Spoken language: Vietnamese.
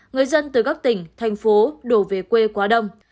người dân từ các tỉnh thành phố đổ về quê quá đông